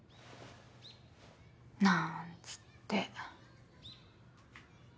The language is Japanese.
なーんつって。